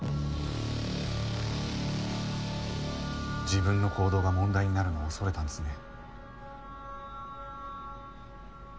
自分の行動が問題になるのを恐れたんですね？